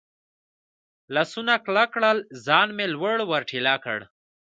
لاسونه کلک کړل، ځان مې لوړ ور ټېله کړ.